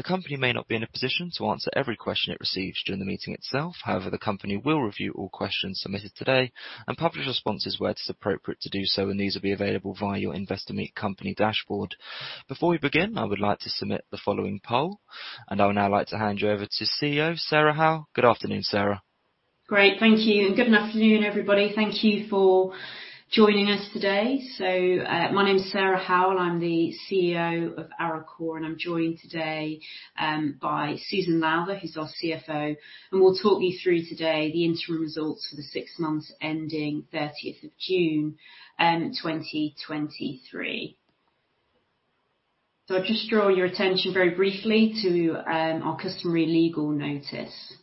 The company may not be in a position to answer every question it receives during the meeting itself. However, the company will review all questions submitted today and publish responses where it is appropriate to do so, and these will be available via your Investor Meet Company dashboard. Before we begin, I would like to submit the following poll, and I would now like to hand you over to CEO, Sarah Howell. Good afternoon, Sarah. Great. Thank you, and good afternoon, everybody. Thank you for joining us today. So, my name is Sarah Howell, I'm the CEO of Arecor, and I'm joined today by Susan Lowther, who's our CFO, and we'll talk you through today the interim results for the six months ending 30th of June, 2023. So I'll just draw your attention very briefly to our customary legal notice.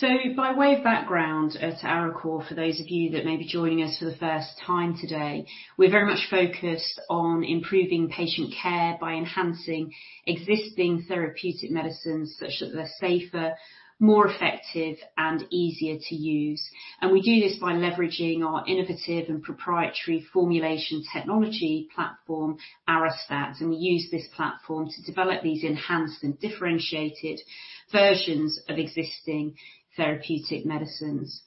So by way of background, at Arecor, for those of you that may be joining us for the first time today, we're very much focused on improving patient care by enhancing existing therapeutic medicines such that they're safer, more effective, and easier to use. And we do this by leveraging our innovative and proprietary formulation technology platform, Arestat, and we use this platform to develop these enhanced and differentiated versions of existing therapeutic medicines.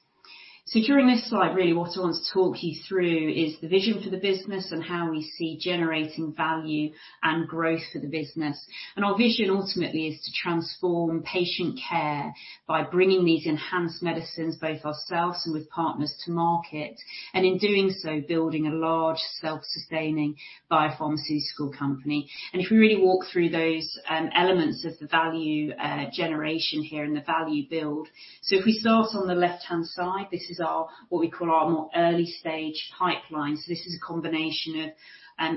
So during this slide, really what I want to talk you through is the vision for the business and how we see generating value and growth for the business. And our vision ultimately is to transform patient care by bringing these enhanced medicines, both ourselves and with partners, to market, and in doing so, building a large self-sustaining biopharmaceutical company. And if we really walk through those elements of the value generation here and the value build. So if we start on the left-hand side, this is our what we call our more early-stage pipeline. So this is a combination of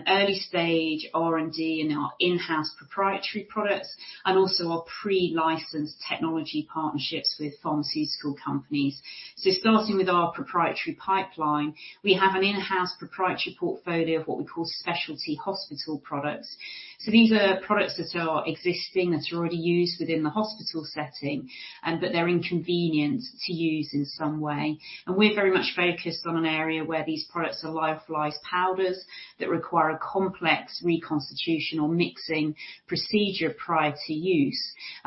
early-stage R&D and our in-house proprietary products, and also our pre-licensed technology partnerships with pharmaceutical companies. So starting with our proprietary pipeline, we have an in-house proprietary portfolio of what we call specialty hospital products. So these are products that are existing, that are already used within the hospital setting, but they're inconvenient to use in some way. We're very much focused on an area where these products are lyophilized powders that require a complex reconstitution or mixing procedure prior to use.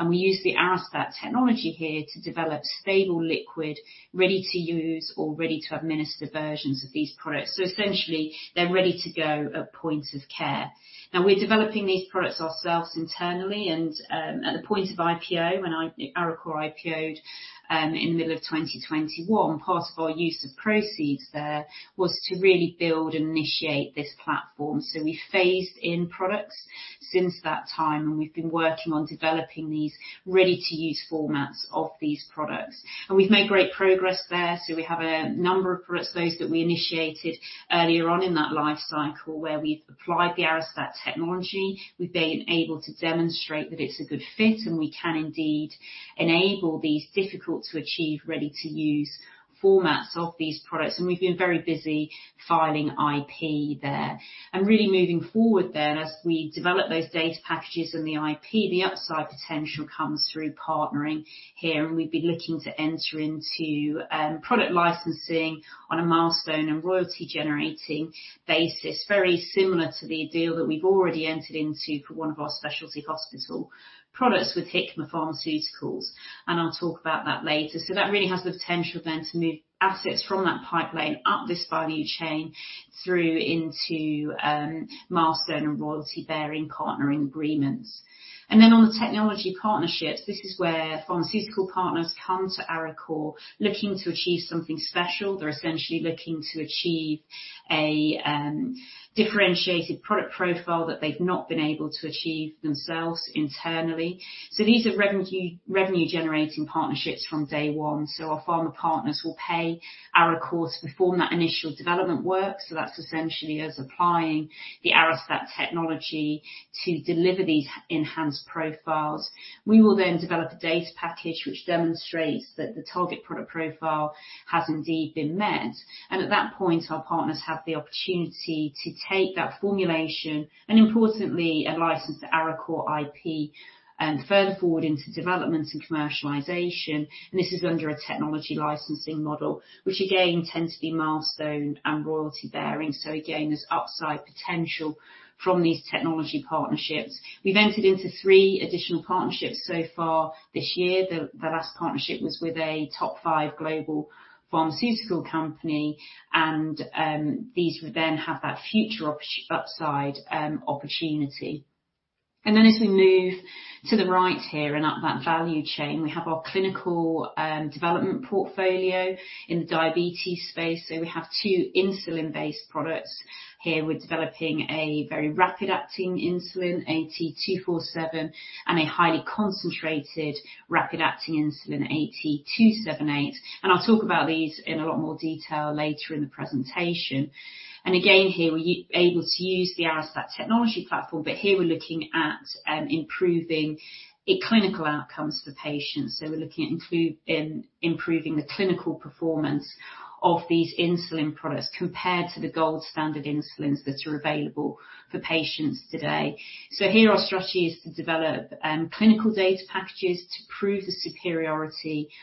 We use the Arestat technology here to develop stable, liquid, ready-to-use or ready-to-administer versions of these products. So essentially, they're ready to go at point of care. Now, we're developing these products ourselves internally and, at the point of IPO, when Arecor IPO'd, in the middle of 2021, part of our use of proceeds there was to really build and initiate this platform. So we phased in products since that time, and we've been working on developing these ready-to-use formats of these products. And we've made great progress there, so we have a number of products, those that we initiated earlier on in that life cycle, where we've applied the Arestat technology. We've been able to demonstrate that it's a good fit, and we can indeed enable these difficult-to-achieve, ready-to-use formats of these products. And we've been very busy filing IP there. And really moving forward then, as we develop those data packages and the IP, the upside potential comes through partnering here, and we'd be looking to enter into product licensing on a milestone and royalty-generating basis, very similar to the deal that we've already entered into for one of our specialty hospital products with Hikma Pharmaceuticals, and I'll talk about that later. So that really has the potential then to move assets from that pipeline up this value chain through into milestone and royalty-bearing partnering agreements. On the technology partnerships, this is where pharmaceutical partners come to Arecor looking to achieve something special. They're essentially looking to achieve a differentiated product profile that they've not been able to achieve themselves internally. These are revenue-generating partnerships from day one. Our pharma partners will pay Arecor to perform that initial development work, so that's essentially us applying the Arestat technology to deliver these enhanced profiles. We will then develop a data package, which demonstrates that the target product profile has indeed been met. At that point, our partners have the opportunity to take that formulation and, importantly, a license to Arecor IP further forward into development and commercialization. This is under a technology licensing model, which again, tends to be milestone and royalty-bearing. Again, there's upside potential from these technology partnerships. We've entered into three additional partnerships so far this year. The last partnership was with a top five global pharmaceutical company, and these would then have that future upside opportunity. And then as we move to the right here and up that value chain, we have our clinical development portfolio in the diabetes space. So we have two insulin-based products here. We're developing a very rapid-acting insulin, AT247, and a highly concentrated rapid-acting insulin, AT278, and I'll talk about these in a lot more detail later in the presentation. And again, here, we're able to use the Arestat technology platform, but here we're looking at improving clinical outcomes for patients. So we're looking at improving the clinical performance of these insulin products compared to the gold standard insulins that are available for patients today. So here our strategy is to develop clinical data packages to prove the superiority of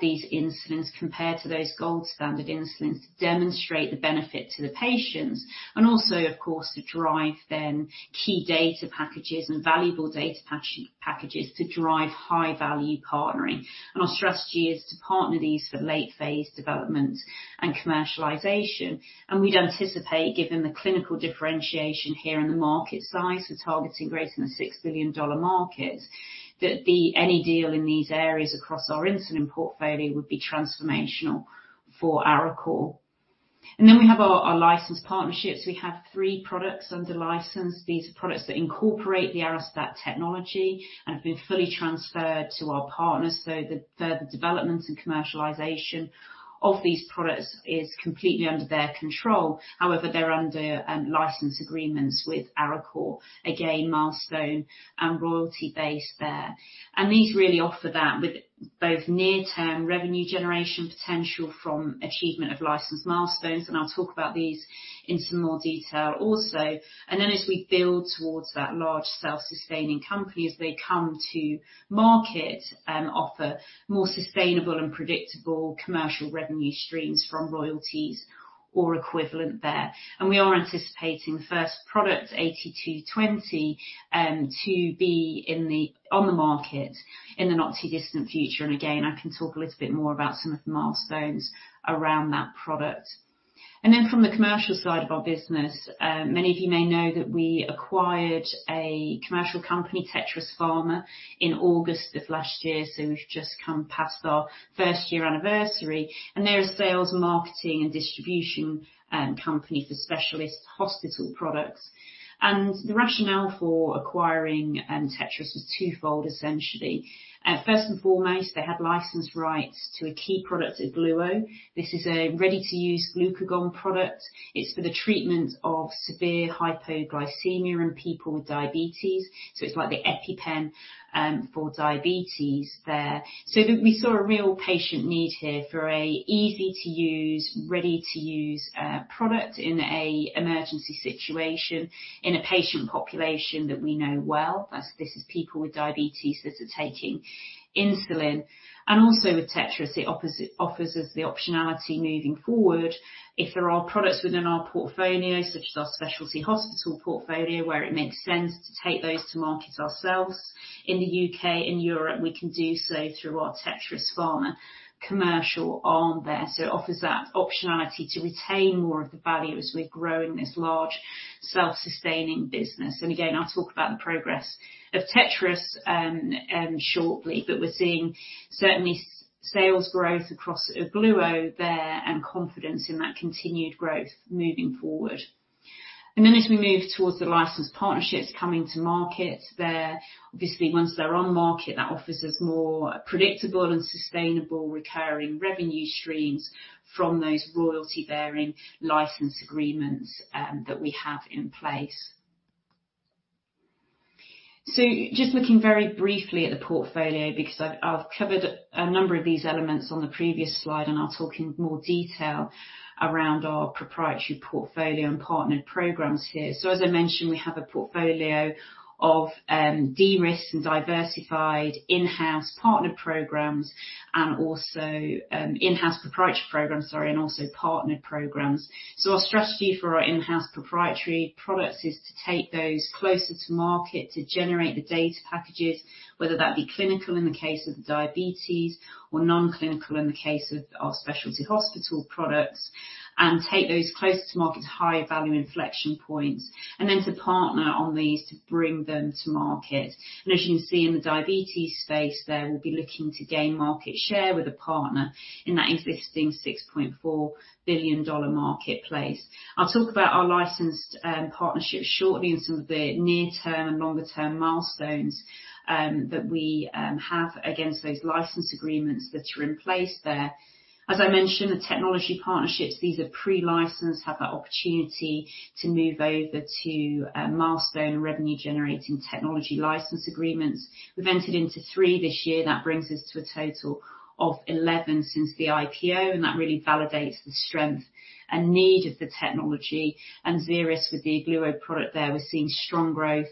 these insulins compared to those gold-standard insulins, to demonstrate the benefit to the patients, and also, of course, to drive then key data packages and valuable data packages to drive high-value partnering. Our strategy is to partner these for late-phase development and commercialization. We'd anticipate, given the clinical differentiation here in the market size, we're targeting greater than a $6 billion market, that any deal in these areas across our insulin portfolio would be transformational for Arecor. Then we have our licensed partnerships. We have three products under license. These are products that incorporate the Arestat technology and have been fully transferred to our partners, so the further development and commercialization of these products is completely under their control. However, they're under license agreements with Arecor. Again, milestone and royalty base there. These really offer that with both near-term revenue generation potential from achievement of licensed milestones, and I'll talk about these in some more detail also. Then as we build towards that large self-sustaining company, as they come to market, offer more sustainable and predictable commercial revenue streams from royalties or equivalent there. We are anticipating the first product, AT220, to be on the market in the not-too-distant future. Again, I can talk a little bit more about some of the milestones around that product. Then from the commercial side of our business, many of you may know that we acquired a commercial company, Tetris Pharma, in August of last year, so we've just come past our first-year anniversary, and they're a sales, marketing, and distribution company for specialist hospital products. The rationale for acquiring Tetris was twofold, essentially. First and foremost, they had license rights to a key product, Ogluo. This is a ready-to-use glucagon product. It's for the treatment of severe hypoglycemia in people with diabetes, so it's like the EpiPen for diabetes there. We saw a real patient need here for an easy-to-use, ready-to-use product in an emergency situation, in a patient population that we know well, as this is people with diabetes that are taking insulin. Also with Tetris, it offers us the optionality moving forward. If there are products within our portfolios, such as our specialty hospital portfolio, where it makes sense to take those to market ourselves in the UK and Europe, we can do so through our Tetris Pharma commercial arm there. So it offers that optionality to retain more of the value as we're growing this large, self-sustaining business. And again, I'll talk about the progress of Tetris shortly, but we're seeing certainly sales growth across Ogluo there and confidence in that continued growth moving forward. And then as we move towards the licensed partnerships coming to market there, obviously, once they're on the market, that offers us more predictable and sustainable recurring revenue streams from those royalty-bearing license agreements that we have in place. So just looking very briefly at the portfolio, because I've, I've covered a number of these elements on the previous slide, and I'll talk in more detail around our proprietary portfolio and partnered programs here. So as I mentioned, we have a portfolio of de-risked and diversified in-house partner programs and also in-house proprietary programs, sorry, and also partnered programs. So our strategy for our in-house proprietary products is to take those closer to market to generate the data packages, whether that be clinical in the case of diabetes or non-clinical in the case of our specialty hospital products, and take those closer to market to higher value inflection points, and then to partner on these to bring them to market. And as you can see in the diabetes space there, we'll be looking to gain market share with a partner in that existing $6.4 billion marketplace. I'll talk about our licensed partnerships shortly and some of the near-term and longer-term milestones that we have against those license agreements that are in place there. As I mentioned, the technology partnerships, these are pre-licensed, have that opportunity to move over to a milestone and revenue-generating technology license agreements. We've entered into three this year. That brings us to a total of 11 since the IPO, and that really validates the strength and need of the technology. Xeris, with the Ogluo product there, we're seeing strong growth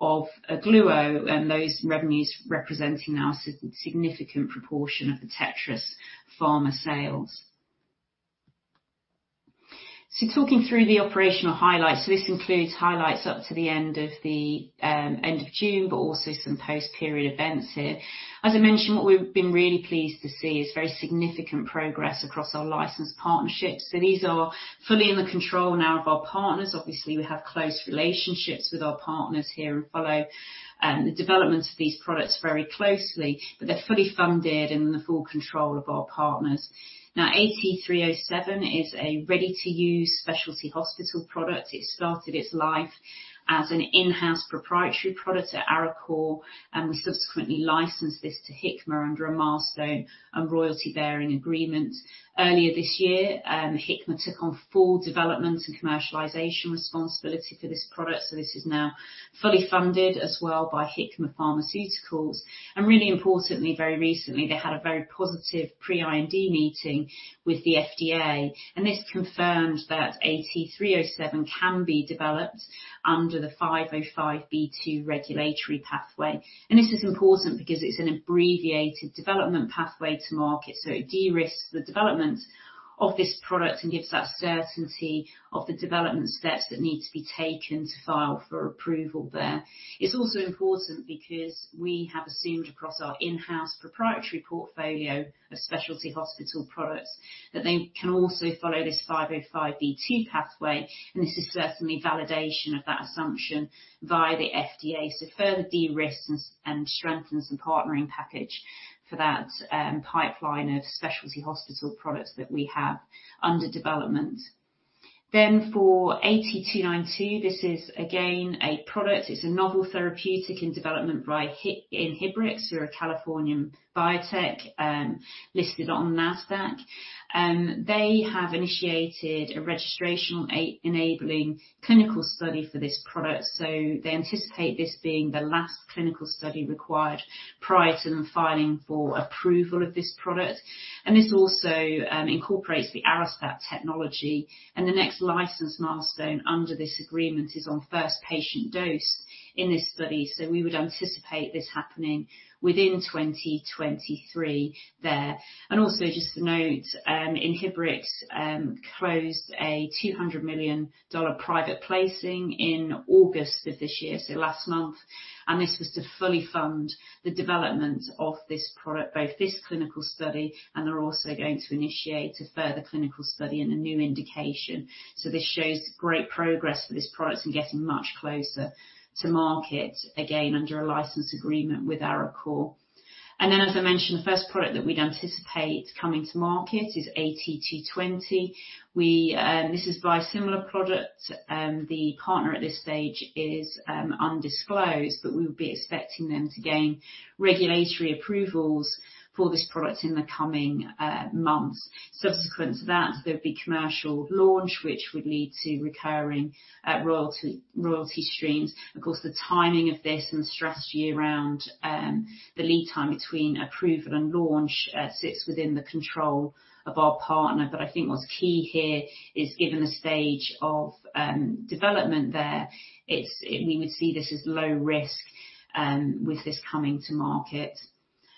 of Ogluo and those revenues representing now a significant proportion of the Tetris Pharma sales. Talking through the operational highlights. This includes highlights up to the end of June, but also some post-period events here. As I mentioned, what we've been really pleased to see is very significant progress across our licensed partnerships. These are fully in the control now of our partners. Obviously, we have close relationships with our partners here and follow the development of these products very closely, but they're fully funded and in the full control of our partners. Now, AT307 is a ready-to-use specialty hospital product. It started its life as an in-house proprietary product at Arecor, and we subsequently licensed this to Hikma under a milestone, a royalty-bearing agreement. Earlier this year, Hikma took on full development and commercialization responsibility for this product, so this is now fully funded as well by Hikma Pharmaceuticals. And really importantly, very recently, they had a very positive pre-IND meeting with the FDA, and this confirmed that AT307 can be developed under the 505 regulatory pathway. And this is important because it's an abbreviated development pathway to market, so it de-risks the development of this product and gives that certainty of the development steps that need to be taken to file for approval there. It's also important because we have assumed across our in-house proprietary portfolio of specialty hospital products, that they can also follow this 505(b)(2) pathway, and this is certainly validation of that assumption via the FDA. So further de-risks and strengthens the partnering package for that, pipeline of specialty hospital products that we have under development. Then for AT292, this is again, a product. It's a novel therapeutic in development by Inhibrx. We're a Californian biotech, listed on NASDAQ. They have initiated a registrational enabling clinical study for this product, so they anticipate this being the last clinical study required prior to them filing for approval of this product. And this also, incorporates the Arestat technology, and the next license milestone under this agreement is on first patient dose in this study. So we would anticipate this happening within 2023 there. And also just to note, Inhibrx closed a $200 million private placing in August of this year, so last month, and this was to fully fund the development of this product, both this clinical study, and they're also going to initiate a further clinical study and a new indication. So this shows great progress for this product and getting much closer to market, again, under a license agreement with Arecor. And then, as I mentioned, the first product that we'd anticipate coming to market is AT220. We, this is biosimilar product. The partner at this stage is undisclosed, but we would be expecting them to gain regulatory approvals for this product in the coming months. Subsequent to that, there'd be commercial launch, which would lead to recurring royalty, royalty streams. Of course, the timing of this and strategy around, the lead time between approval and launch, sits within the control of our partner. I think what's key here is, given the stage of development there, we would see this as low risk, with this coming to market.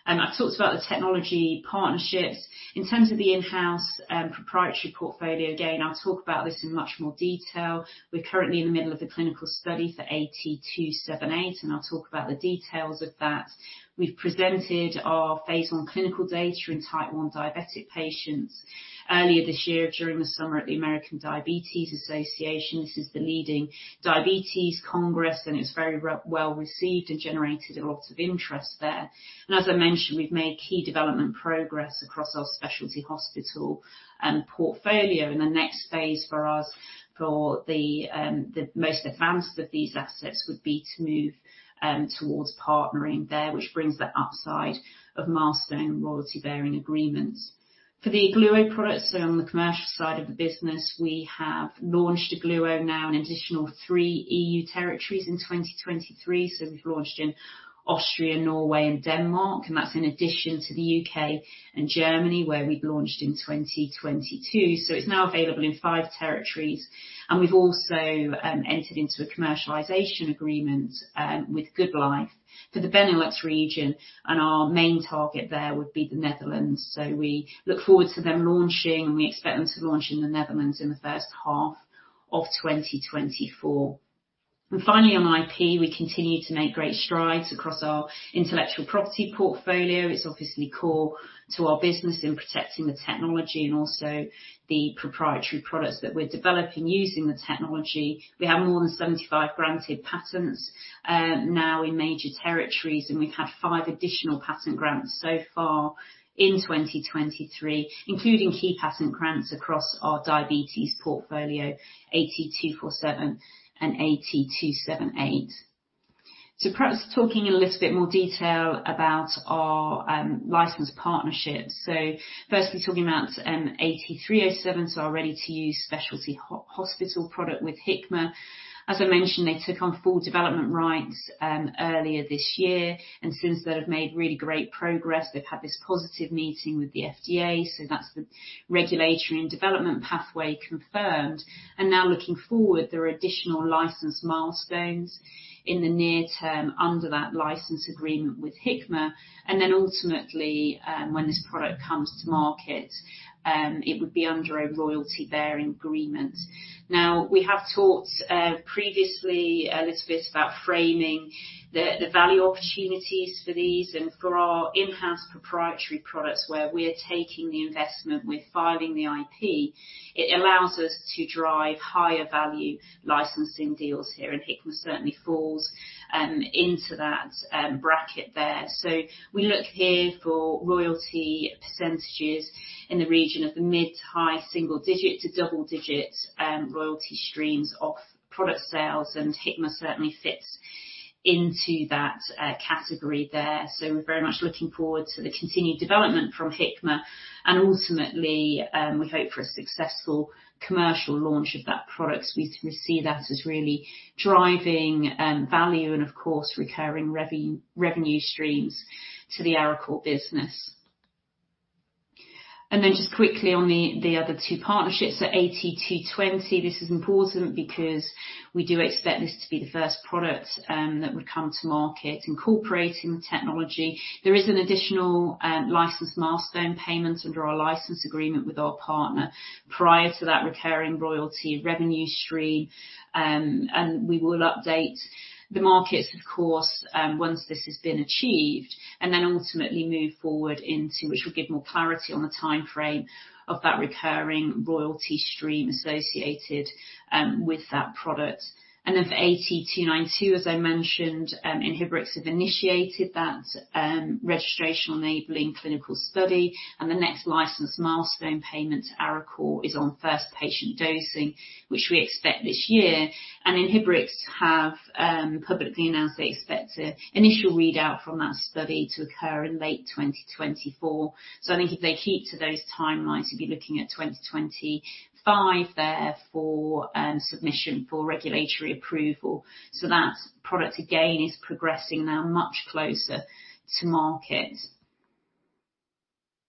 I've talked about the technology partnerships. In terms of the in-house, proprietary portfolio, again, I'll talk about this in much more detail. We're currently in the middle of a clinical study for AT278, and I'll talk about the details of that. We've presented our phase I clinical data inType 1 diabetic patients earlier this year, during the summer at the American Diabetes Association. This is the leading diabetes congress, and it was very well received and generated a lot of interest there. As I mentioned, we've made key development progress across our specialty hospital and portfolio. The next phase for us, for the most advanced of these assets, would be to move towards partnering there, which brings the upside of milestone and royalty-bearing agreements. For the Ogluo products on the commercial side of the business, we have launched Ogluo now in additional three EU territories in 2023. So we've launched in Austria, Norway and Denmark, and that's in addition to the UK and Germany, where we launched in 2022. So it's now available in five territories, and we've also entered into a commercialization agreement with Goodlife for the Benelux region, and our main target there would be the Netherlands. So we look forward to them launching, and we expect them to launch in the Netherlands in the H1 of 2024. Finally, on IP, we continue to make great strides across our intellectual property portfolio. It's obviously core to our business in protecting the technology and also the proprietary products that we're developing using the technology. We have more than 75 granted patents now in major territories, and we've had five additional patent grants so far in 2023, including key patent grants across our diabetes portfolio, AT247 and AT278. Perhaps talking in a little bit more detail about our license partnerships. Firstly, talking about AT307, so our ready-to-use specialty hospital product with Hikma. As I mentioned, they took on full development rights earlier this year, and since they have made really great progress. They've had this positive meeting with the FDA, so that's the regulatory and development pathway confirmed. And now, looking forward, there are additional license milestones in the near term under that license agreement with Hikma. And then ultimately, when this product comes to market, it would be under a royalty-bearing agreement. Now, we have talked previously a little bit about framing the value opportunities for these and for our in-house proprietary products, where we're taking the investment with filing the IP. It allows us to drive higher value licensing deals here, and Hikma certainly falls into that bracket there. So we look here for royalty percentages in the region of the mid-high single digit to double digit royalty streams off product sales, and Hikma certainly fits into that category there. So we're very much looking forward to the continued development from Hikma, and ultimately, we hope for a successful commercial launch of that product. We see that as really driving value and, of course, recurring revenue streams to the Arecor business. And then just quickly on the other two partnerships, so AT220. This is important because we do expect this to be the first product that would come to market incorporating the technology. There is an additional license milestone payments under our license agreement with our partner prior to that recurring royalty revenue stream. And we will update the markets, of course, once this has been achieved, and then ultimately move forward into... which will give more clarity on the timeframe of that recurring royalty stream associated with that product. And then for AT292, as I mentioned, Inhibrx have initiated that registration-enabling clinical study, and the next license milestone payment to Arecor is on first patient dosing, which we expect this year. Inhibrx have publicly announced they expect an initial readout from that study to occur in late 2024. So I think if they keep to those timelines, you'd be looking at 2025 there for submission for regulatory approval. So that product, again, is progressing now much closer to market.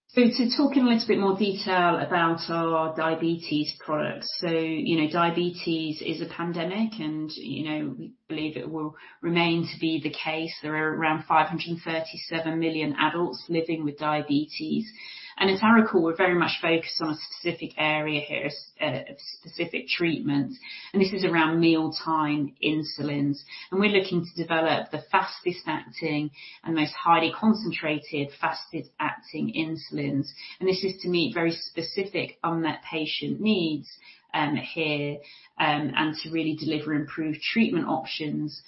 So to talk in a little bit more detail about our diabetes products. So, you know, diabetes is a pandemic, and, you know, we believe it will remain to be the case. There are around 537 million adults living with diabetes. And at Arecor, we're very much focused on a specific area here, of specific treatment, and this is around mealtime insulins. And we're looking to develop the fastest-acting and most highly concentrated, fastest-acting insulins. This is to meet very specific unmet patient needs, and to really deliver improved treatment options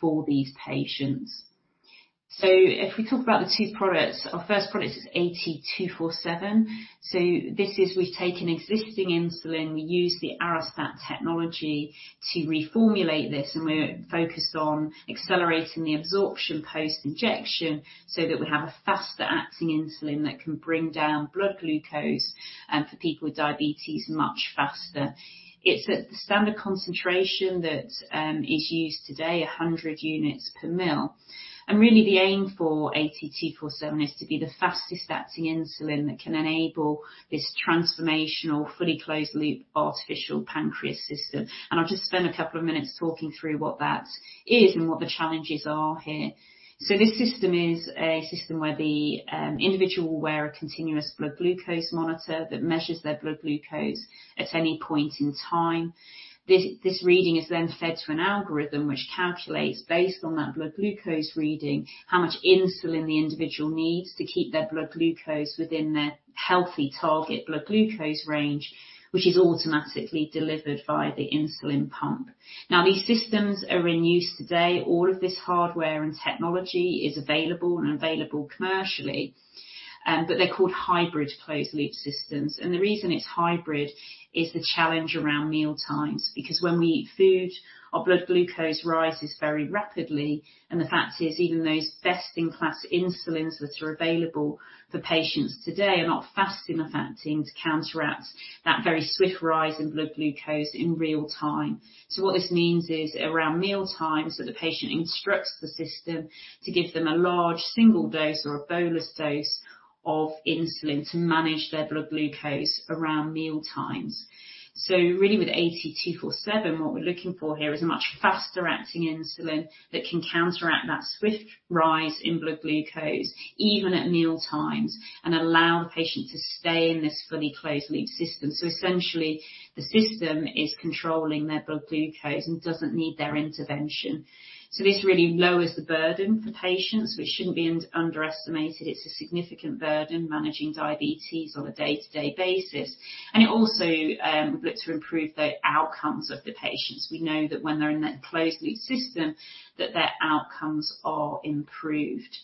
for these patients. If we talk about the two products, our first product is AT247. We've taken existing insulin, we use the Arestat technology to reformulate this, and we're focused on accelerating the absorption post-injection, so that we have a faster-acting insulin that can bring down blood glucose for people with diabetes much faster. It's at the standard concentration that is used today, 100 units per ml. Really, the aim for AT247 is to be the fastest-acting insulin that can enable this transformational, fully closed-loop artificial pancreas system. I'll just spend a couple of minutes talking through what that is and what the challenges are here. This system is a system where the individual will wear a continuous blood glucose monitor that measures their blood glucose at any point in time. This reading is then fed to an algorithm, which calculates, based on that blood glucose reading, how much insulin the individual needs to keep their blood glucose within their healthy target blood glucose range, which is automatically delivered via the insulin pump. Now, these systems are in use today. All of this hardware and technology is available, and available commercially, but they're called hybrid closed-loop systems. The reason it's hybrid is the challenge around mealtimes. Because when we eat food, our blood glucose rises very rapidly, and the fact is, even those best-in-class insulins, which are available for patients today, are not fast enough acting to counteract that very swift rise in blood glucose in real time. So what this means is, around mealtimes, that the patient instructs the system to give them a large single dose or a bolus dose of insulin to manage their blood glucose around mealtimes. So really, with AT247, what we're looking for here is a much faster-acting insulin that can counteract that swift rise in blood glucose, even at mealtimes, and allow the patient to stay in this fully closed-loop system. So essentially, the system is controlling their blood glucose and doesn't need their intervention. So this really lowers the burden for patients, which shouldn't be underestimated. It's a significant burden, managing diabetes on a day-to-day basis. And it also, we've looked to improve the outcomes of the patients. We know that when they're in that closed-loop system, that their outcomes are improved.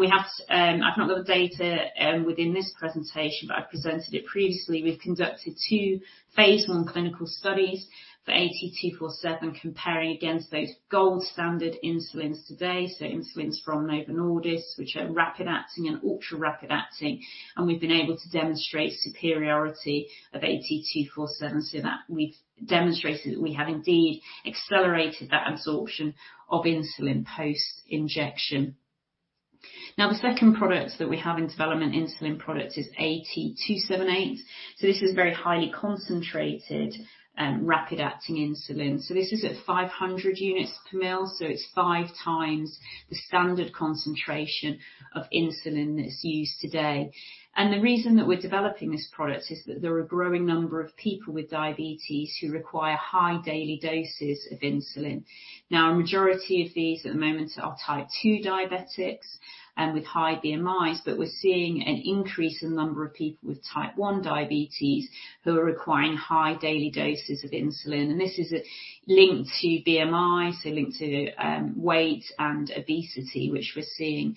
We have. I've not got the data within this presentation, but I've presented it previously. We've conducted two phase I clinical studies for AT247, comparing against those gold-standard insulins today. So insulins from Novo Nordisk, which are rapid-acting and ultra rapid-acting, and we've been able to demonstrate superiority of AT247 so that we've demonstrated that we have indeed accelerated that absorption of insulin post-injection. Now, the second product that we have in development, insulin product, is AT278. So this is a very highly concentrated, rapid-acting insulin. So this is at 500 units per mL, so it's 5x the standard concentration of insulin that's used today. The reason that we're developing this product is that there are a growing number of people with diabetes who require high daily doses of insulin. Now, a majority of these at the moment are Type 2 diabetics, with high BMIs, but we're seeing an increase in number of people with Type 1 diabetes who are requiring high daily doses of insulin, and this is linked to BMI, so linked to weight and obesity, which we're seeing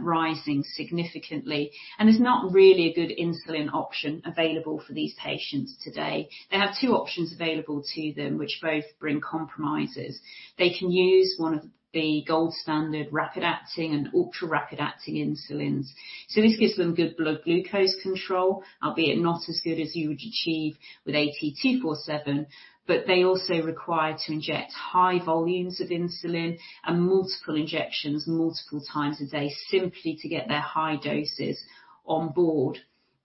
rising significantly. There's not really a good insulin option available for these patients today. They have two options available to them, which both bring compromises. They can use one of the gold-standard rapid-acting and ultra rapid-acting insulins. This gives them good blood glucose control, albeit not as good as you would achieve with AT247, but they also require to inject high volumes of insulin and multiple injections multiple times a day, simply to get their high doses on board.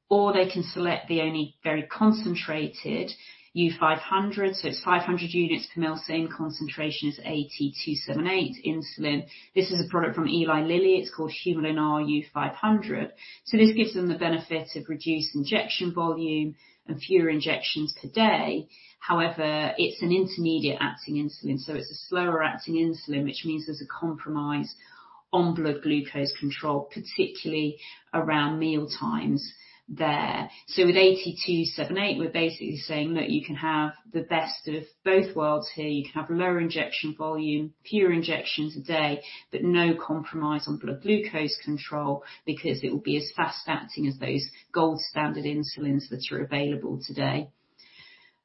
Or they can select the only very concentrated U-500, so it's 500 units per ml, same concentration as AT278 insulin. This is a product from Eli Lilly. It's called Humulin R U-500. So this gives them the benefit of reduced injection volume and fewer injections per day. However, it's an intermediate-acting insulin, so it's a slower-acting insulin, which means there's a compromise on blood glucose control, particularly around mealtimes there. So with AT278, we're basically saying that you can have the best of both worlds here. You can have lower injection volume, fewer injections a day, but no compromise on blood glucose control because it will be as fast-acting as those gold standard insulins that are available today.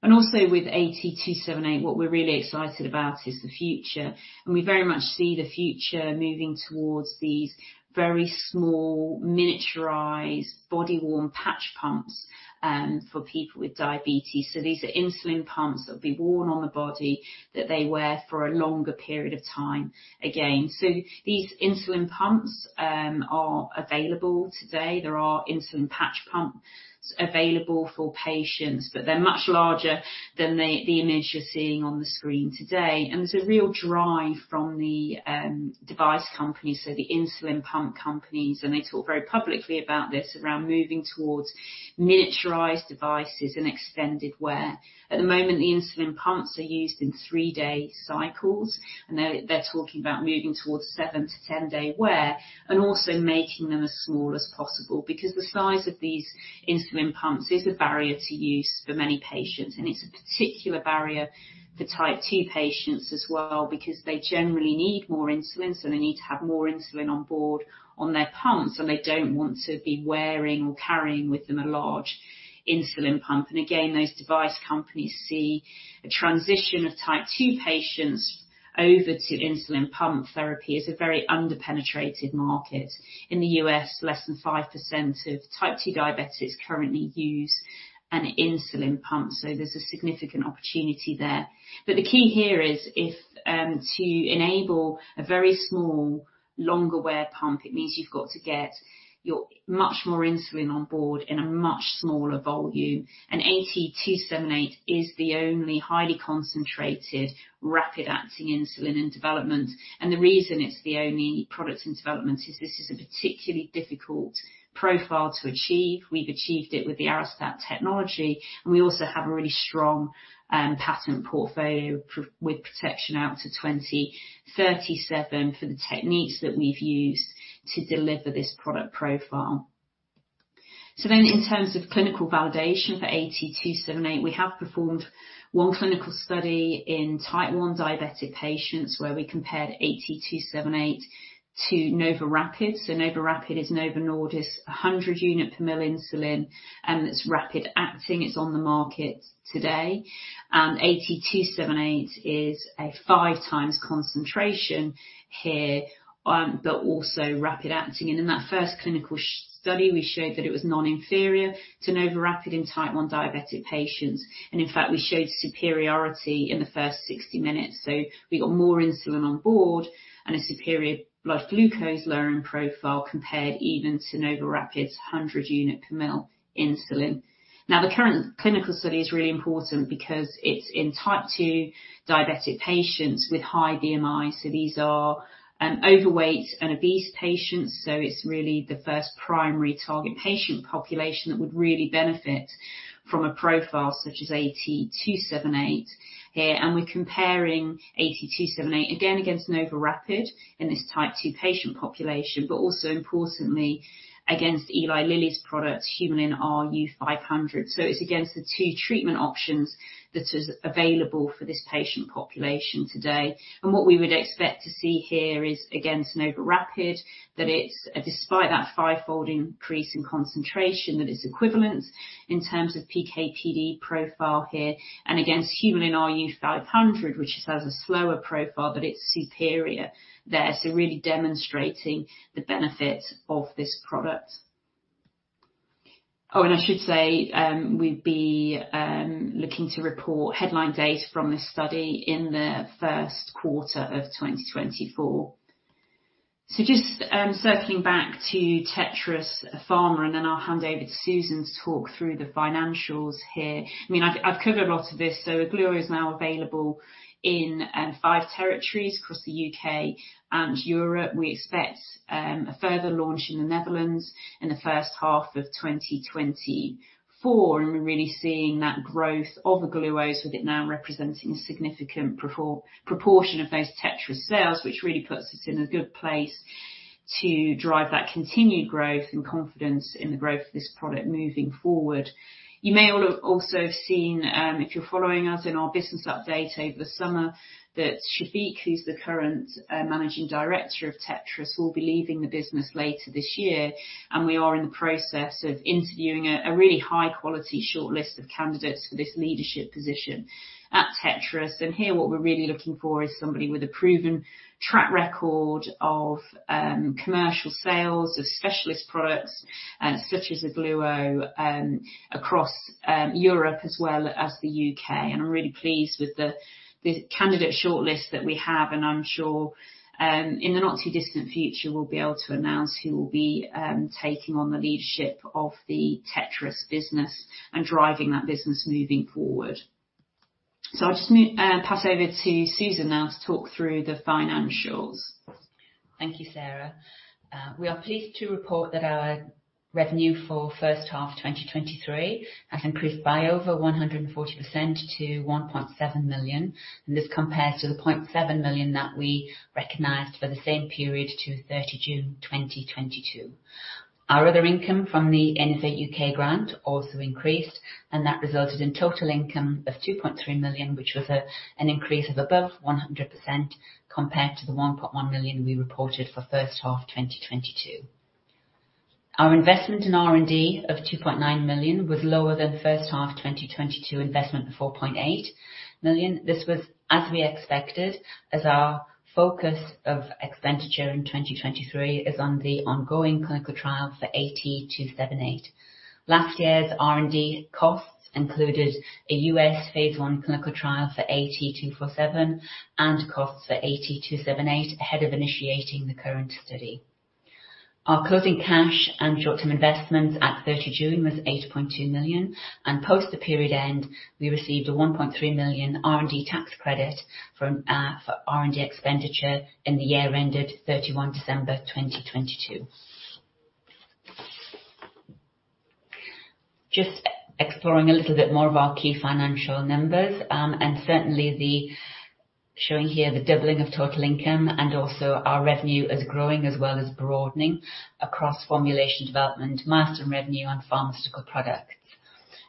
And also with AT278, what we're really excited about is the future, and we very much see the future moving towards these very small, miniaturized, body-worn patch pumps for people with diabetes. So these are insulin pumps that will be worn on the body, that they wear for a longer period of time again. So these insulin pumps are available today. There are insulin patch pumps available for patients, but they're much larger than the image you're seeing on the screen today. And there's a real drive from the device companies, so the insulin pump companies, and they talk very publicly about this, around moving towards miniaturized devices and extended wear. At the moment, the insulin pumps are used in three-day cycles, and they're talking about moving towards seven to 10-day wear and also making them as small as possible, because the size of these insulin pumps is a barrier to use for many patients. It's a particular barrier for Type 2 patients as well, because they generally need more insulin, so they need to have more insulin on board on their pumps, and they don't want to be wearing or carrying with them a large insulin pump. Again, those device companies see a transition of Type 2 patients over to insulin pump therapy is a very underpenetrated market. In the US, less than 5% of Type 2 diabetics currently use an insulin pump, so there's a significant opportunity there. The key here is, if to enable a very small, longer-wear pump, it means you've got to get much more insulin on board in a much smaller volume. AT278 is the only highly concentrated, rapid-acting insulin in development. The reason it's the only product in development is this is a particularly difficult profile to achieve. We've achieved it with the Arestat technology, and we also have a really strong patent portfolio with protection out to 2037 for the techniques that we've used to deliver this product profile. In terms of clinical validation for AT278, we have performed one clinical study in Type 1 diabetic patients, where we compared AT278 to NovoRapid. NovoRapid is Novo Nordisk, 100 unit per mL insulin, and it's rapid-acting. It's on the market today. AT278 is a 5x concentration here, but also rapid-acting. In that first clinical study, we showed that it was non-inferior to NovoRapid in Type 1 diabetic patients. In fact, we showed superiority in the first 60 minutes, so we got more insulin on board and a superior blood glucose lowering profile compared even to NovoRapid's 100 unit per mL insulin. Now, the current clinical study is really important because it's in Type 2 diabetic patients with high BMI. These are overweight and obese patients, so it's really the first primary target patient population that would really benefit from a profile such as AT278 here. We're comparing AT278 again against NovoRapid in this Type 2 patient population, but also importantly, against Eli Lilly's product, Humulin R U-500. It's against the two treatment options that is available for this patient population today. What we would expect to see here is, against NovoRapid, that it's, despite that fivefold increase in concentration, that it's equivalent in terms of PK/PD profile here, and against Humulin R U-500, which has a slower profile, but it's superior there. So really demonstrating the benefits of this product. Oh, and I should say, we'd be looking to report headline data from this study in the first quarter of 2024. So just circling back to Tetris Pharma, and then I'll hand over to Susan to talk through the financials here. I mean, I've covered a lot of this, so Ogluo is now available in five territories across the UK and Europe. We expect a further launch in the Netherlands in the H1 of 2024, and we're really seeing that growth of Ogluo, with it now representing a significant proportion of those Tetris sales, which really puts us in a good place to drive that continued growth and confidence in the growth of this product moving forward. You may all have also seen, if you're following us in our business update over the summer, that Shafiq, who's the current managing director of Tetris, will be leaving the business later this year, and we are in the process of interviewing a really high-quality shortlist of candidates for this leadership position at Tetris. Here, what we're really looking for is somebody with a proven track record of commercial sales of specialist products, such as Ogluo, across Europe as well as the UK. I'm really pleased with the candidate shortlist that we have, and I'm sure in the not-too-distant future, we'll be able to announce who will be taking on the leadership of the Tetris business and driving that business moving forward. I'll just pass over to Susan now to talk through the financials. Thank you, Sarah. We are pleased to report that our revenue for H1 2023 has increased by over 140% to 1.7 million, and this compares to the 0.7 million that we recognized for the same period to 30 June 2022. Our other income from the Innovate UK grant also increased, and that resulted in total income of 2.3 million, which was an increase of above 100% compared to the 1.1 million we reported for H1 2022. Our investment in R&D of 2.9 million was lower than the H1 2022 investment of 4.8 million. This was as we expected, as our focus of expenditure in 2023 is on the ongoing clinical trial for AT278. Last year's R&D costs included a US phase I clinical trial for AT247 and costs for AT278 ahead of initiating the current study. Our closing cash and short-term investments at 30 June was 8.2 million, and post the period end, we received a 1.3 million R&D tax credit from for R&D expenditure in the year ended 31 December 2022. Just exploring a little bit more of our key financial numbers. Certainly showing here the doubling of total income and also our revenue is growing as well as broadening across formulation development, milestone revenue, and pharmaceutical products.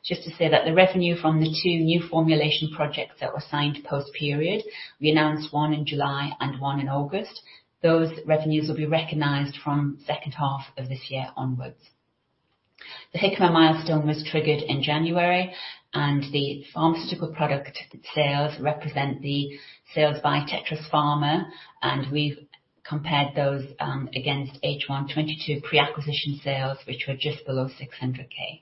Just to say that the revenue from the two new formulation projects that were signed post-period, we announced one in July and one in August. Those revenues will be recognized from second half of this year onwards. The Hikma milestone was triggered in January, and the pharmaceutical product sales represent the sales by Tetris Pharma, and we've compared those against H1 2022 pre-acquisition sales, which were just below 600,000.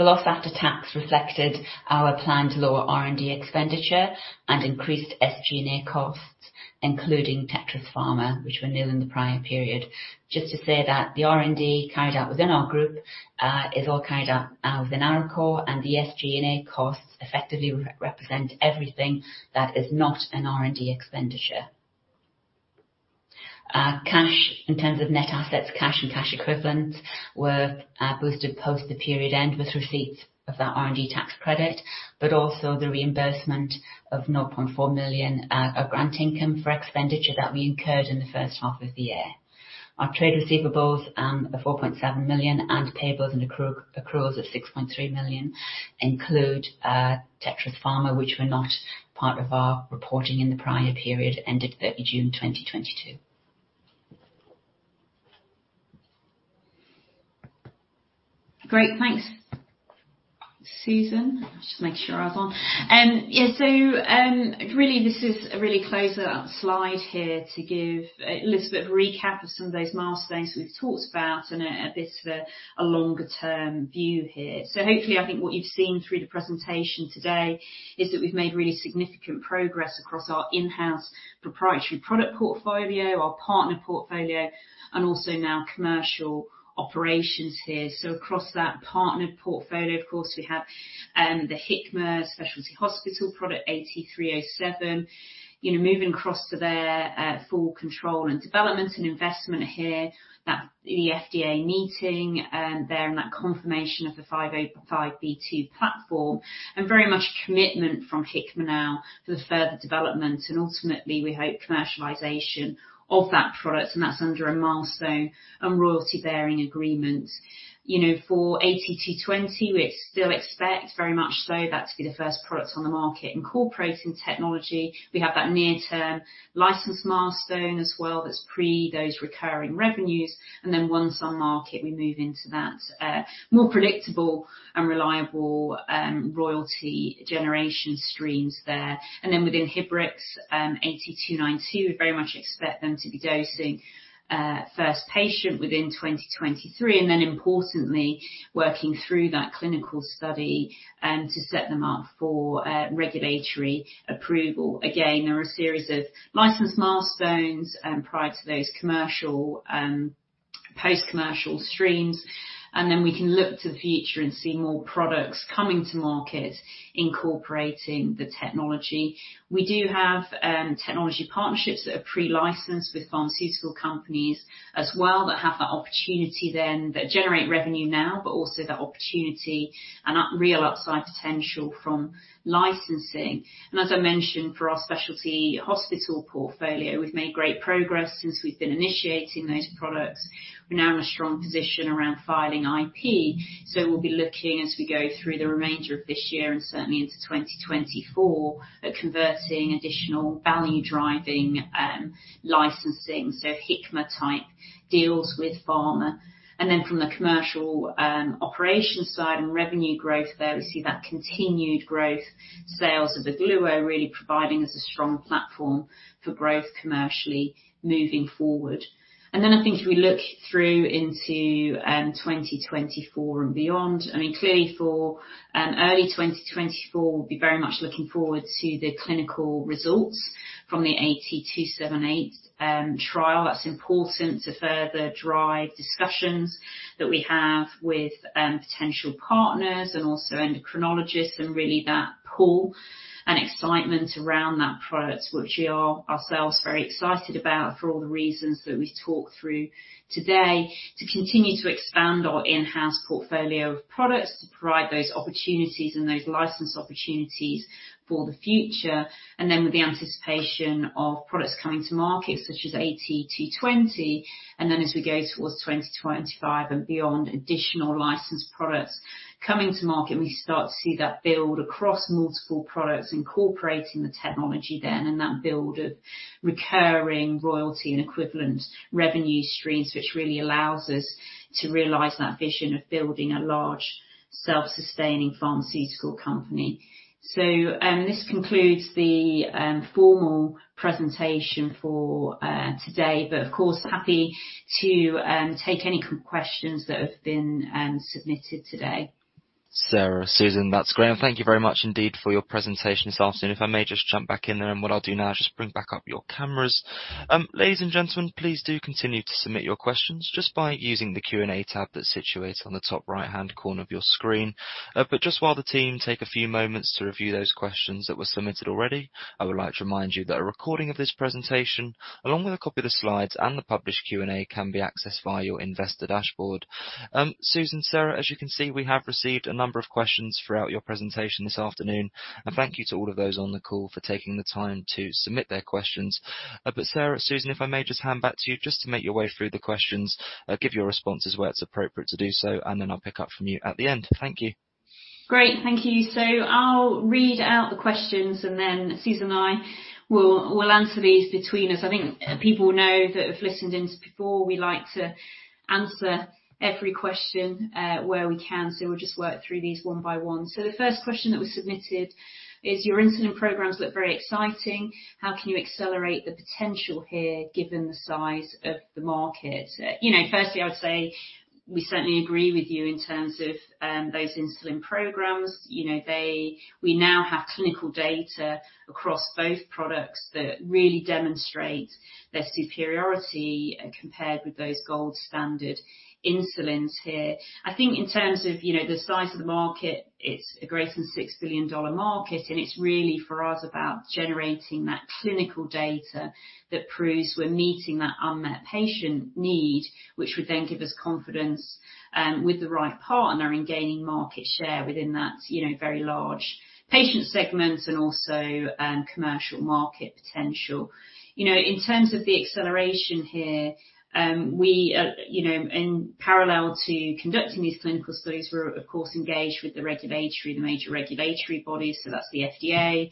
The loss after tax reflected our planned lower R&D expenditure and increased SG&A costs, including Tetris Pharma, which were nil in the prior period. Just to say that the R&D carried out within our group is all carried out within our core, and the SG&A costs effectively represent everything that is not an R&D expenditure. Cash, in terms of net assets, cash and cash equivalents, were boosted post the period end with receipts of that R&D tax credit, but also the reimbursement of 0.4 million of grant income for expenditure that we incurred in the H1 of the year. Our trade receivables are 4.7 million, and payables and accruals of 6.3 million include Tetris Pharma, which were not part of our reporting in the prior period, ended 30 June 2022. Great, thanks, Susan. Just making sure I was on. Yeah, this is a really closer slide here to give a little bit of a recap of some of those milestones we've talked about and a bit of a longer-term view here. Hopefully, I think what you've seen through the presentation today is that we've made really significant progress across our in-house proprietary product portfolio, our partner portfolio, and also now commercial operations here. Across that partnered portfolio, of course, we have the Hikma Specialty Hospital product AT307. You know, moving across to their full control and development and investment here, that the FDA meeting there, and that confirmation of the 505(b)(2) platform, and very much commitment from Hikma now for the further development and ultimately, we hope, commercialization of that product, and that's under a milestone and royalty-bearing agreement. You know, for AT220, we still expect very much so that to be the first product on the market incorporating technology. We have that near-term license milestone as well that's pre those recurring revenues, and then once on market, we move into that more predictable and reliable royalty generation streams there. And then within Inhibrx, AT292, we very much expect them to be dosing first patient within 2023, and then importantly, working through that clinical study to set them up for regulatory approval. Again, there are a series of license milestones prior to those commercial post-commercial streams, and then we can look to the future and see more products coming to market incorporating the technology. We do have technology partnerships that are pre-licensed with pharmaceutical companies as well, that have that opportunity then, that generate revenue now, but also that opportunity and real upside potential from licensing. As I mentioned, for our specialty hospital portfolio, we've made great progress since we've been initiating those products. We're now in a strong position around filing IP, so we'll be looking as we go through the remainder of this year and certainly into 2024, at converting additional value-driving licensing, so Hikma-type deals with pharma. From the commercial operations side and revenue growth there, we see that continued growth. Sales of Ogluo really providing us a strong platform for growth commercially moving forward. Then I think if we look through into 2024 and beyond, I mean, clearly for early 2024, we'll be very much looking forward to the clinical results from the AT278 trial. That's important to further drive discussions that we have with potential partners and also endocrinologists, and really, that pull and excitement around that product, which we are ourselves very excited about for all the reasons that we've talked through today, to continue to expand our in-house portfolio of products, to provide those opportunities and those license opportunities for the future. Then with the anticipation of products coming to market, such as AT220, and then as we go towards 2025 and beyond, additional licensed products coming to market, and we start to see that build across multiple products, incorporating the technology then, and that build of recurring royalty and equivalent revenue streams, which really allows us to realize that vision of building a large, self-sustaining pharmaceutical company. So, this concludes the formal presentation for today, but, of course, happy to take any questions that have been submitted today. Sarah, Susan, that's great. Thank you very much indeed for your presentation this afternoon. If I may just jump back in there, and what I'll do now is just bring back up your cameras. Ladies and gentlemen, please do continue to submit your questions just by using the Q&A tab that's situated on the top right-hand corner of your screen. But just while the team take a few moments to review those questions that were submitted already, I would like to remind you that a recording of this presentation, along with a copy of the slides and the published Q&A, can be accessed via your investor dashboard. Susan, Sarah, as you can see, we have received a number of questions throughout your presentation this afternoon, and thank you to all of those on the call for taking the time to submit their questions. Sarah, Susan, if I may just hand back to you, just to make your way through the questions, give your responses where it's appropriate to do so, and then I'll pick up from you at the end. Thank you. Great. Thank you. So I'll read out the questions, and then Susan and I will, we'll answer these between us. I think people know that have listened in before, we like to answer every question, where we can, so we'll just work through these one by one. So the first question that was submitted is, "Your insulin programs look very exciting. How can you accelerate the potential here, given the size of the market?" You know, firstly, I would say we certainly agree with you in terms of, those insulin programs. You know, We now have clinical data across both products that really demonstrate their superiority, compared with those gold standard insulins here. I think in terms of, you know, the size of the market, it's a greater than $6 billion market, and it's really, for us, about generating that clinical data that proves we're meeting that unmet patient need, which would then give us confidence, you know, with the right partner in gaining market share within that, you know, very large patient segment and also, you know, commercial market potential. In terms of the acceleration here, we, you know, in parallel to conducting these clinical studies, we're, of course, engaged with the regulatory, the major regulatory bodies, so that's the FDA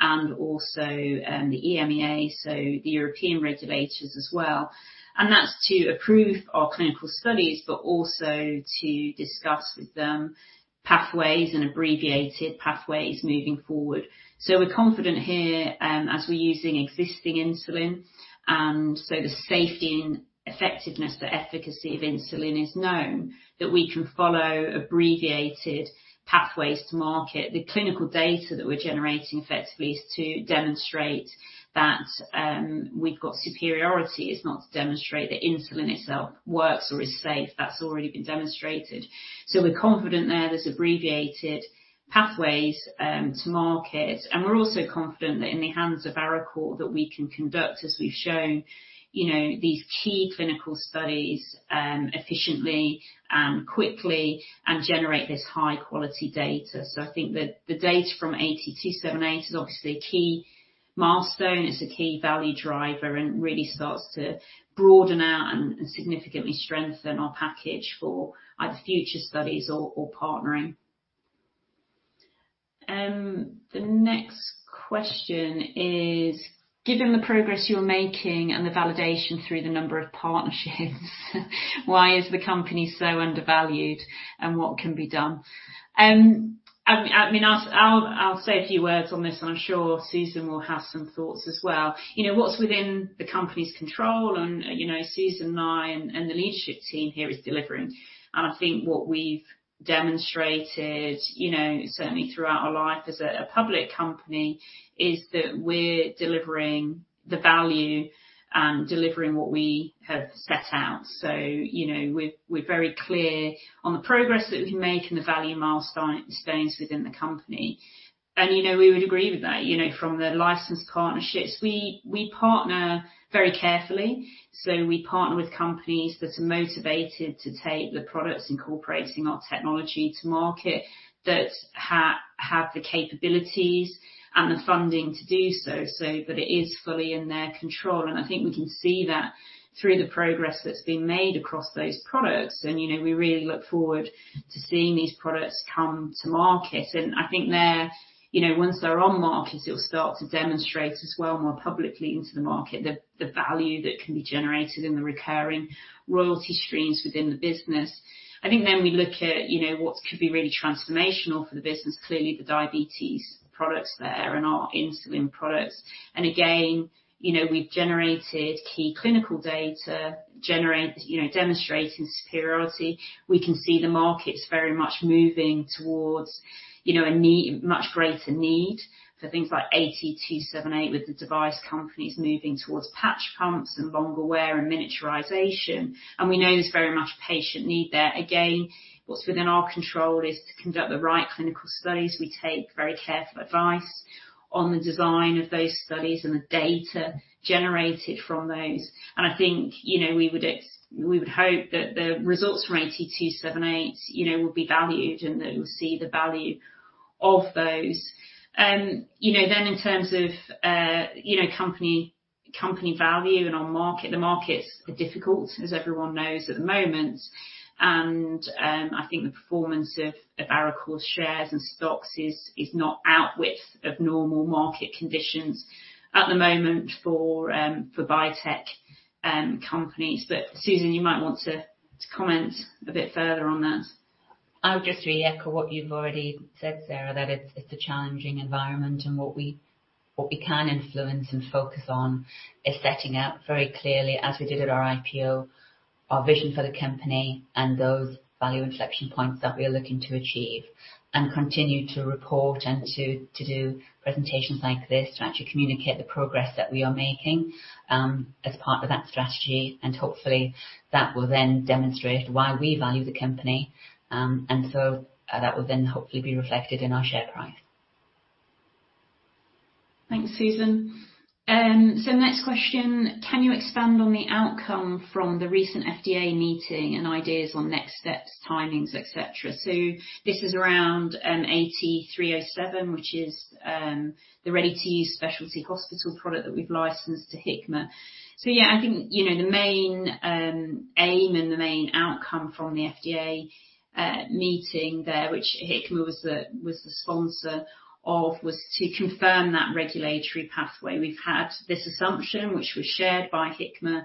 and also the EMEA, so the European regulators as well. That's to approve our clinical studies, but also to discuss with them pathways and abbreviated pathways moving forward. So we're confident here, as we're using existing insulin, and so the safety and effectiveness, the efficacy of insulin is known, that we can follow abbreviated pathways to market. The clinical data that we're generating effectively is to demonstrate that, we've got superiority. It's not to demonstrate that insulin itself works or is safe. That's already been demonstrated. So we're confident there there's abbreviated pathways, to market, and we're also confident that in the hands of Arecor, that we can conduct, as we've shown, you know, these key clinical studies, efficiently, quickly and generate this high-quality data. So I think the, the data from AT278 is obviously a key milestone. It's a key value driver and really starts to broaden out and, and significantly strengthen our package for either future studies or, or partnering. The next question is, "Given the progress you're making and the validation through the number of partnerships, why is the company so undervalued, and what can be done?" I mean, I'll say a few words on this, and I'm sure Susan will have some thoughts as well. You know, what's within the company's control, and, you know, Susan and I and the leadership team here is delivering. I think what we've demonstrated, you know, certainly throughout our life as a public company, is that we're delivering the value and delivering what we have set out. We're very clear on the progress that we've been making, the value milestones within the company. You know, we would agree with that. You know, from the licensed partnerships, we partner very carefully. So we partner with companies that are motivated to take the products incorporating our technology to market, that have the capabilities and the funding to do so, but it is fully in their control. And I think we can see that through the progress that's been made across those products. And, you know, we really look forward to seeing these products come to market. And I think they're, you know, once they're on market, it'll start to demonstrate as well, more publicly into the market, the, the value that can be generated and the recurring royalty streams within the business. I think then we look at, you know, what could be really transformational for the business, clearly, the diabetes products there and our insulin products. And again, you know, we've generated key clinical data, you know, demonstrating superiority. We can see the markets very much moving towards, you know, a need, much greater need for things like AT278, with the device companies moving towards patch pumps and longer wear and miniaturization. We know there's very much patient need there. Again, what's within our control is to conduct the right clinical studies. We take very careful advice on the design of those studies and the data generated from those. And I think, you know, we would hope that the results from AT278, you know, would be valued and that we'll see the value of those. You know, then in terms of company value and on market, the markets are difficult, as everyone knows at the moment. I think the performance of Arecor shares and stocks is not outside of normal market conditions at the moment for biotech companies. But, Susan, you might want to comment a bit further on that. I would just re-echo what you've already said, Sarah, that it's a challenging environment and what we can influence and focus on is setting out very clearly, as we did at our IPO, our vision for the company and those value inflection points that we are looking to achieve. And continue to report and to do presentations like this, to actually communicate the progress that we are making, as part of that strategy, and hopefully, that will then demonstrate why we value the company. And so, that will then hopefully be reflected in our share price. Thanks, Susan. Next question, "Can you expand on the outcome from the recent FDA meeting and ideas on next steps, timings, et cetera?" This is around AT307, which is the ready-to-use specialty hospital product that we've licensed to Hikma. I think the main aim and the main outcome from the FDA meeting there, which Hikma was the sponsor of, was to confirm that regulatory pathway. We've had this assumption, which was shared by Hikma,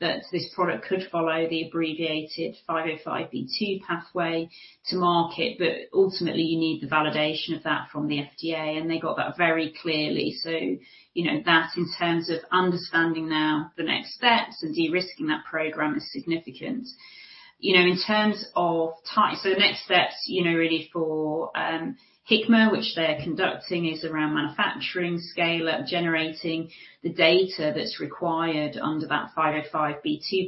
that this product could follow the abbreviated 505(b)(2) pathway to market, but ultimately, you need the validation of that from the FDA, and they got that very clearly. You know that in terms of understanding now the next steps and de-risking that program is significant. You know, in terms of time. So the next steps, you know, really for Hikma, which they are conducting, is around manufacturing, scale-up, generating the data that's required under that 505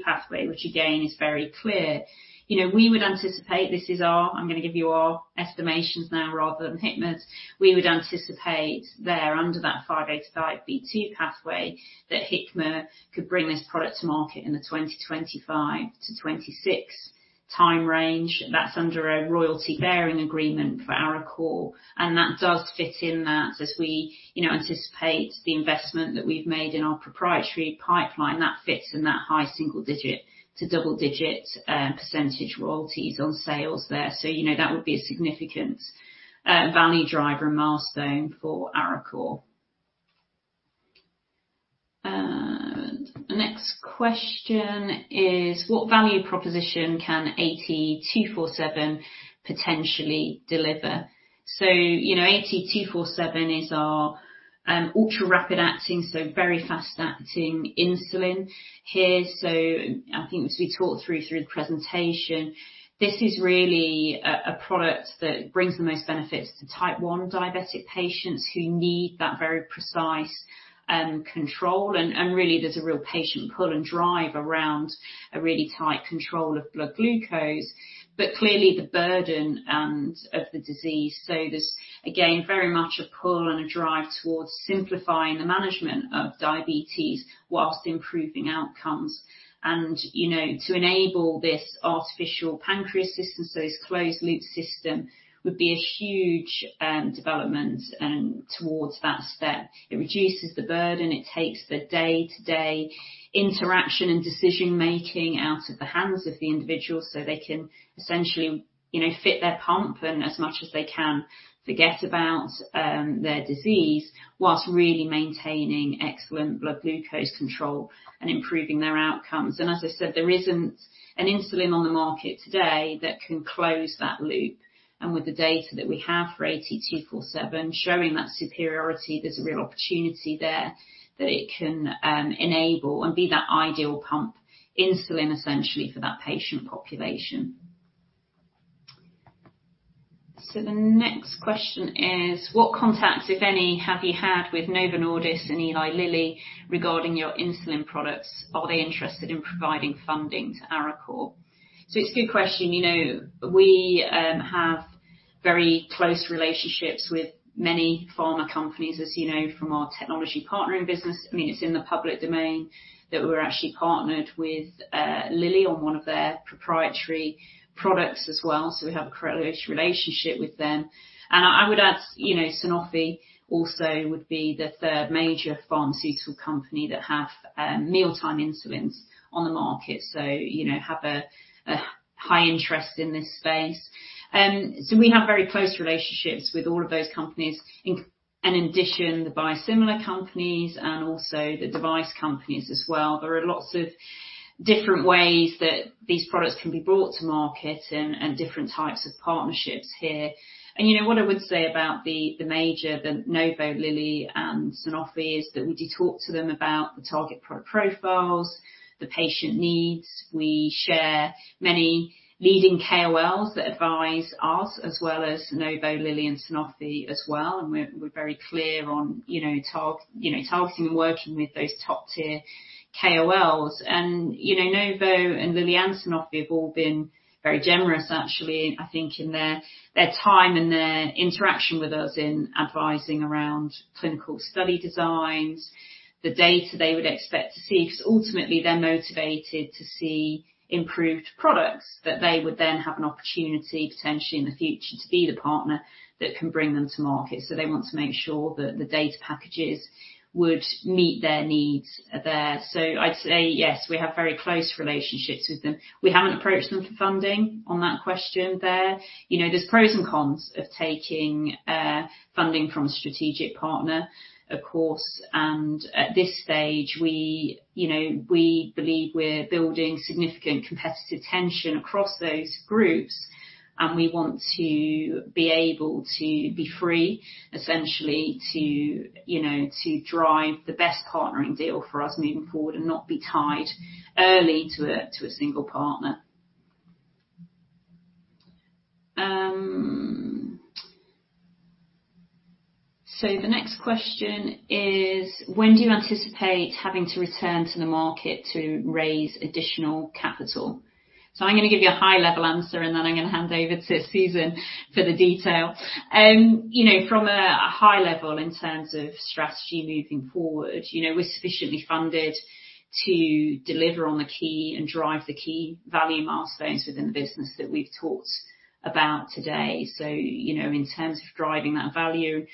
pathway, which again, is very clear. You know, we would anticipate this is our. I'm going to give you our estimations now, rather than Hikma's. We would anticipate there, under that 505 pathway, that Hikma could bring this product to market in the 2025-2026 time range. That's under a royalty-bearing agreement for Arecor, and that does fit in that as we, you know, anticipate the investment that we've made in our proprietary pipeline, that fits in that high single-digit to double-digit % royalties on sales there. So, you know, that would be a significant value driver and milestone for Arecor. And the next question is, "What value proposition can AT247 potentially deliver?" So, you know, AT247 is our ultra-rapid acting, so very fast-acting insulin here. So I think as we talked through the presentation, this is really a product that brings the most benefits to Type 1 diabetic patients who need that very precise control. And really, there's a real patient pull and drive around a really tight control of blood glucose, but clearly the burden of the disease. So there's, again, very much a pull and a drive towards simplifying the management of diabetes whilst improving outcomes. And, you know, to enable this Artificial pancreas system, so this closed-loop system, would be a huge development towards that step. It reduces the burden, it takes the day-to-day interaction and decision-making out of the hands of the individual, so they can essentially, you know, fit their pump and as much as they can forget about, their disease while really maintaining excellent blood glucose control and improving their outcomes. As I said, there isn't an insulin on the market today that can close that loop. And with the data that we have for AT247 showing that superiority, there's a real opportunity there that it can, enable and be that ideal pump insulin, essentially, for that patient population. So the next question is, What contacts, if any, have you had with Novo Nordisk and Eli Lilly regarding your insulin products? Are they interested in providing funding to Arecor? So it's a good question. You know, we have very close relationships with many pharma companies, as you know from our technology partnering business. I mean, it's in the public domain that we're actually partnered with Lilly on one of their proprietary products as well. So we have a close relationship with them. And I would add, you know, Sanofi also would be the third major pharmaceutical company that have mealtime insulins on the market. So, you know, have a high interest in this space. So we have very close relationships with all of those companies, and in addition, the biosimilar companies and also the device companies as well. There are lots of different ways that these products can be brought to market and different types of partnerships here. And you know, what I would say about the major, the Novo, Lilly, and Sanofi, is that we do talk to them about the target profiles, the patient needs. We share many leading KOLs that advise us as well as Novo, Lilly, and Sanofi as well. And we're, we're very clear on, you know, targeting and working with those top-tier KOLs. And, you know, Novo and Lilly and Sanofi have all been very generous, actually, I think, in their time and their interaction with us in advising around clinical study designs, the data they would expect to see, because ultimately they're motivated to see improved products that they would then have an opportunity, potentially in the future, to be the partner that can bring them to market. So they want to make sure that the data packages would meet their needs there. So I'd say, yes, we have very close relationships with them. We haven't approached them for funding, on that question there. You know, there's pros and cons of taking funding from a strategic partner, of course, and at this stage, we, you know, we believe we're building significant competitive tension across those groups, and we want to be able to be free, essentially, to, you know, to drive the best partnering deal for us moving forward and not be tied early to a single partner. So the next question is, When do you anticipate having to return to the market to raise additional capital? So I'm going to give you a high-level answer, and then I'm going to hand over to Susan for the detail. You know, from a high level, in terms of strategy moving forward, you know, we're sufficiently funded to deliver on the key and drive the key value milestones within the business that we've talked about today. So, you know, in terms of driving that value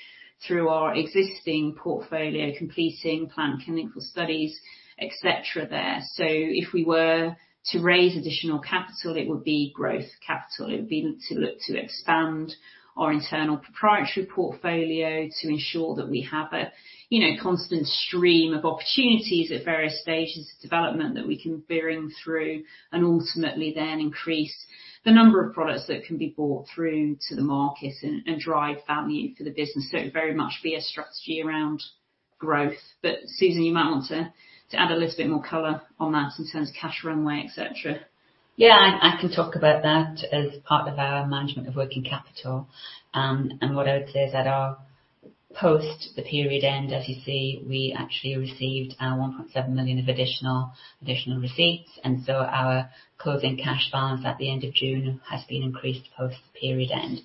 through our existing portfolio, completing planned clinical studies, et cetera, there. So if we were to raise additional capital, it would be growth capital. It would be to look to expand our internal proprietary portfolio to ensure that we have a, you know, constant stream of opportunities at various stages of development that we can bring through and ultimately then increase the number of products that can be brought through to the market and, and drive value for the business. So it very much be a strategy around growth. Susan, you might want to add a little bit more color on that in terms of cash runway, et cetera. Yeah, I can talk about that as part of our management of working capital. And what I would say is that our post, the period end, as you see, we actually received our 1.7 million of additional receipts, and so our closing cash balance at the end of June has been increased post-period end.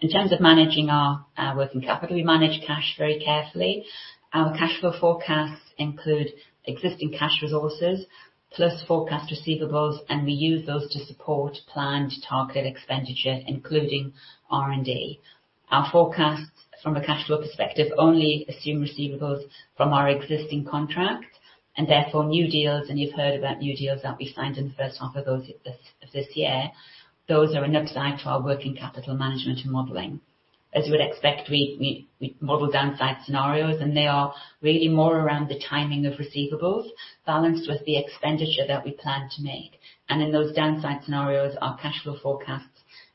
In terms of managing our working capital, we manage cash very carefully. Our cash flow forecasts include existing cash resources plus forecast receivables, and we use those to support planned target expenditure, including R&D. Our forecasts from a cash flow perspective only assume receivables from our existing contract, and therefore new deals, and you've heard about new deals that we signed in the H1 of those of this year. Those are an upside to our working capital management and modeling. As you would expect, we model downside scenarios, and they are really more around the timing of receivables, balanced with the expenditure that we plan to make. In those downside scenarios, our cash flow forecasts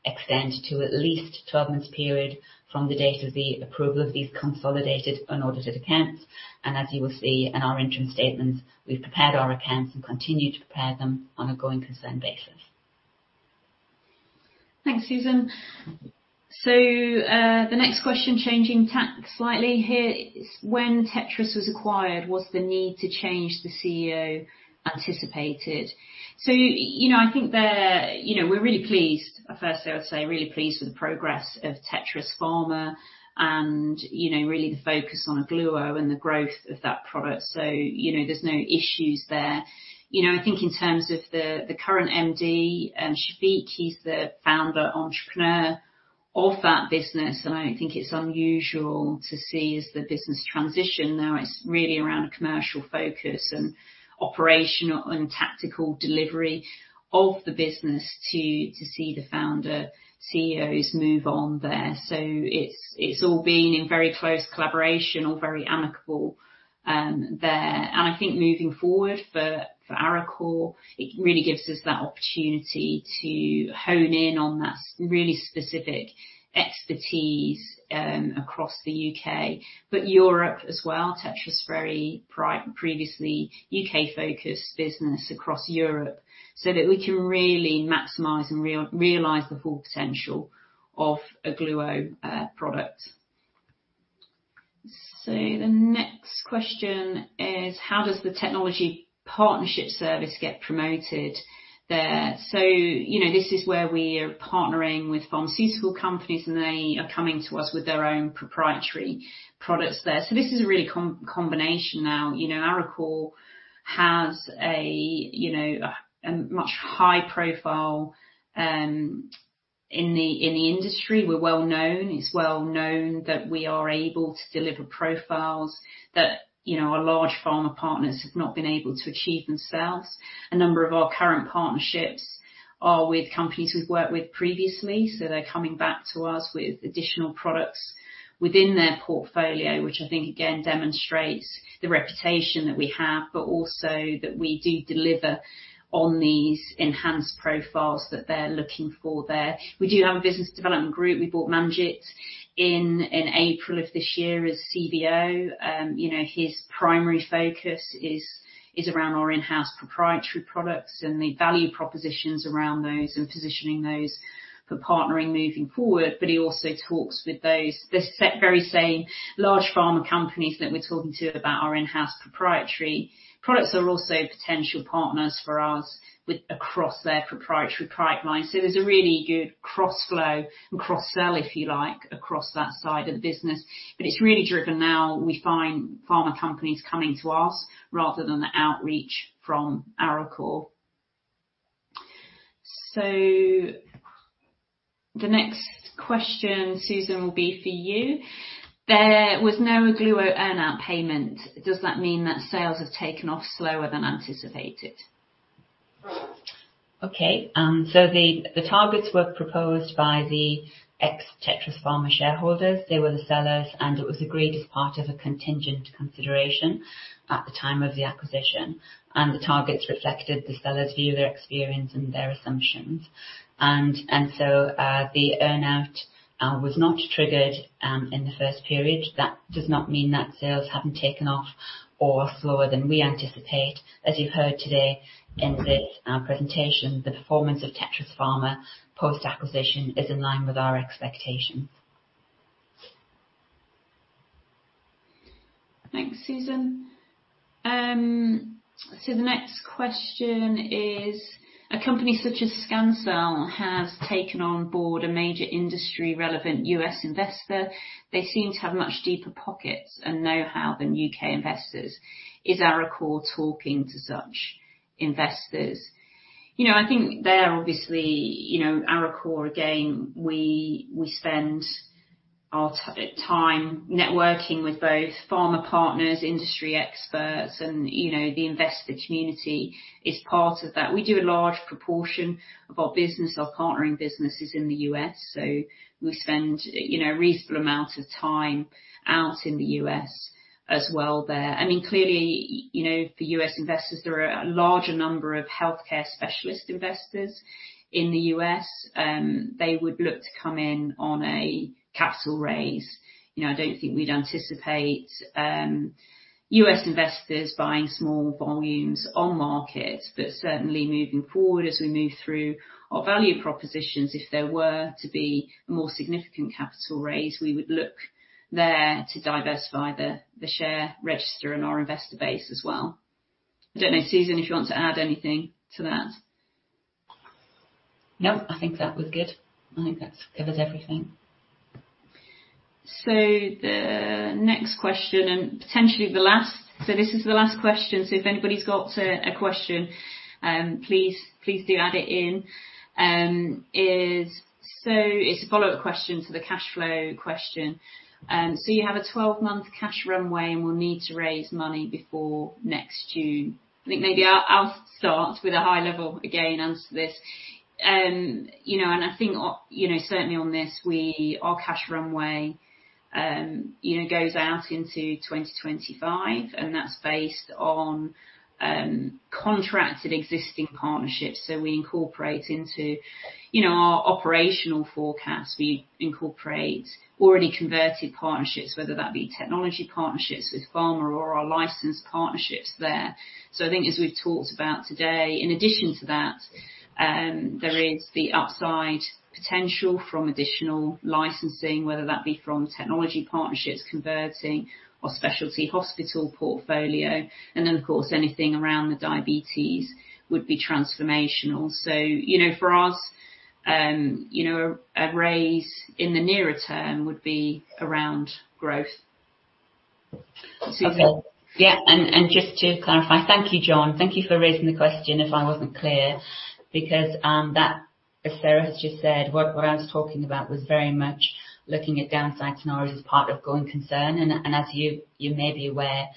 extend to at least 12-month period from the date of the approval of these consolidated, unaudited accounts. As you will see in our interim statements, we've prepared our accounts and continue to prepare them on a going concern basis. Thanks, Susan. So, the next question, changing tack slightly here. When Tetris was acquired, was the need to change the CEO anticipated? So, you know, I think there, you know, we're really pleased. Firstly, I would say really pleased with the progress of Tetris Pharma and, you know, really the focus on Ogluo and the growth of that product. So, you know, there's no issues there. You know, I think in terms of the, the current MD, Shafiq, he's the founder-entrepreneur of that business, and I don't think it's unusual to see as the business transition, now it's really around a commercial focus and operational and tactical delivery of the business to, to see the founder CEOs move on there. So it's, it's all been in very close collaboration or very amicable, there. And I think moving forward for, for Arecor, it really gives us that opportunity to hone in on that really specific expertise across the UK, but Europe as well. Tetris, very previously UK-focused business across Europe, so that we can really maximize and realize the full potential of Ogluo product. So the next question is, How does the technology partnership service get promoted there? So, you know, this is where we are partnering with pharmaceutical companies, and they are coming to us with their own proprietary products there. So this is a really combination now. You know, Arecor has a, you know, a, a much high profile in the, in the industry. We're well-known. It's well-known that we are able to deliver profiles that, you know, our large pharma partners have not been able to achieve themselves. A number of our current partnerships are with companies we've worked with previously, so they're coming back to us with additional products within their portfolio, which I think again, demonstrates the reputation that we have, but also that we do deliver on these enhanced profiles that they're looking for there. We do have a business development group. We brought Manjit in in April of this year as CBO. You know, his primary focus is around our in-house proprietary products and the value propositions around those, and positioning those for partnering moving forward. He also talks with those, the very same large pharma companies that we're talking to about our in-house proprietary products are also potential partners for us with-... across their proprietary pipeline. There's a really good cross-flow, and cross-sell, if you like, across that side of the business, but it's really driven now. We find pharma companies coming to us rather than the outreach from Arecor. So the next question, Susan, will be for you. "There was no Ogluo earn-out payment. Does that mean that sales have taken off slower than anticipated?" Okay. So the targets were proposed by the ex-Tetris Pharma shareholders. They were the sellers, and it was the greatest part of a contingent consideration at the time of the acquisition, and the targets reflected the seller's view, their experience, and their assumptions. And so the earn-out was not triggered in the first period. That does not mean that sales haven't taken off or are slower than we anticipate. As you've heard today in this presentation, the performance of Tetris Pharma post-acquisition is in line with our expectations. Thanks, Susan. So the next question is, "A company such as Scancell has taken on board a major industry-relevant US investor. They seem to have much deeper pockets and know-how than UK investors. Is Arecor talking to such investors?" You know, I think there, obviously, you know, Arecor, again, we spend our time networking with both pharma partners, industry experts, and, you know, the investor community is part of that. We do a large proportion of our business, our partnering businesses in the US, so we spend, you know, a reasonable amount of time out in the US as well there. I mean, clearly, you know, for US investors, there are a larger number of healthcare specialist investors in the US. They would look to come in on a capital raise. You know, I don't think we'd anticipate US investors buying small volumes on market, but certainly moving forward as we move through our value propositions, if there were to be a more significant capital raise, we would look there to diversify the, the share register and our investor base as well. I don't know, Susan, if you want to add anything to that. No, I think that was good. I think that covers everything. So the next question, and potentially the last. So this is the last question, so if anybody's got a question, please do add it in. So it's a follow-up question to the cash flow question. "So you have a 12-month cash runway and will need to raise money before next June." I think maybe I'll start with a high level again, answer this. You know, and I think, you know, certainly on this, we our cash runway, you know, goes out into 2025, and that's based on contracted existing partnerships. So we incorporate into, you know, our operational forecast. We incorporate already converted partnerships, whether that be technology partnerships with pharma or our licensed partnerships there. So I think as we've talked about today, in addition to that, there is the upside potential from additional licensing, whether that be from technology partnerships, converting our specialty hospital portfolio, and then, of course, anything around the diabetes would be transformational. So, you know, for us, you know, a raise in the nearer term would be around growth. Susan? Okay. Yeah, and just to clarify, thank you, John. Thank you for raising the question if I wasn't clear, because that, as Sarah has just said, what I was talking about was very much looking at downside scenarios as part of going concern. And as you may be aware,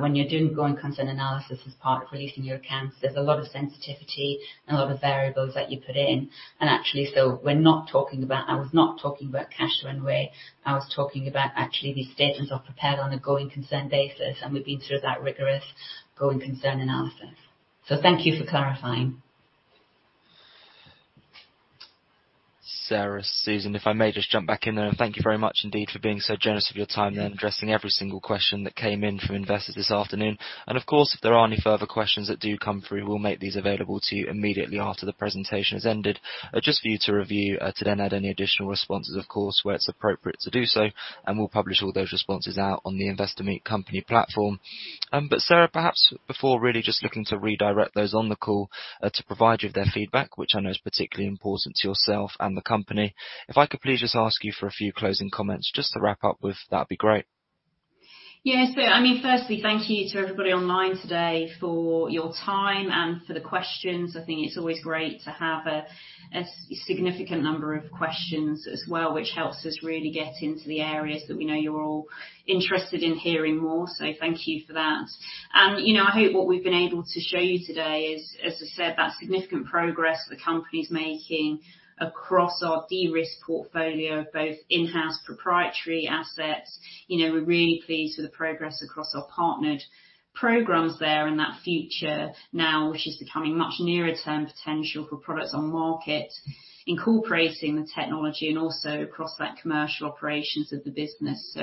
when you're doing going concern analysis as part of releasing your accounts, there's a lot of sensitivity and a lot of variables that you put in. And actually, so we're not talking about. I was not talking about cash runway. I was talking about actually, the statements are prepared on a going concern basis, and we've been through that rigorous going concern analysis. So thank you for clarifying. Sarah, Susan, if I may just jump back in there. Thank you very much indeed for being so generous with your time then, addressing every single question that came in from investors this afternoon. And of course, if there are any further questions that do come through, we'll make these available to you immediately after the presentation has ended, just for you to review, to then add any additional responses, of course, where it's appropriate to do so, and we'll publish all those responses out on the Investor Meet Company platform. But Sarah, perhaps before really just looking to redirect those on the call, to provide you with their feedback, which I know is particularly important to yourself and the company, if I could please just ask you for a few closing comments just to wrap up with, that'd be great. Yes. So I mean, firstly, thank you to everybody online today for your time and for the questions. I think it's always great to have a significant number of questions as well, which helps us really get into the areas that we know you're all interested in hearing more. So thank you for that. And, you know, I hope what we've been able to show you today is, as I said, that significant progress the company's making across our de-risk portfolio of both in-house proprietary assets. You know, we're really pleased with the progress across our partnered programs there and that future now, which is becoming much nearer term potential for products on market, incorporating the technology and also across that commercial operations of the business. So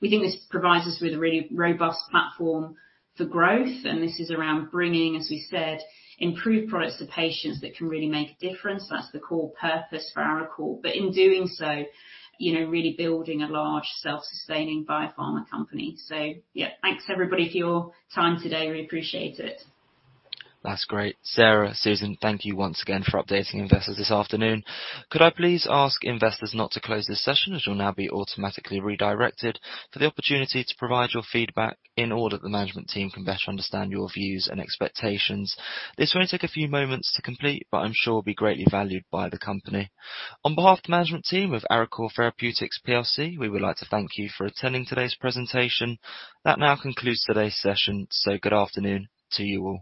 we think this provides us with a really robust platform for growth, and this is around bringing, as we said, improved products to patients that can really make a difference. That's the core purpose for Arecor. But in doing so, you know, really building a large self-sustaining biopharma company. So yeah, thanks, everybody, for your time today. We appreciate it. That's great. Sarah, Susan, thank you once again for updating investors this afternoon. Could I please ask investors not to close this session, as you'll now be automatically redirected, for the opportunity to provide your feedback in order that the management team can better understand your views and expectations. This will only take a few moments to complete, but I'm sure will be greatly valued by the company. On behalf of the management team of Arecor Therapeutics PLC, we would like to thank you for attending today's presentation. That now concludes today's session, so good afternoon to you all.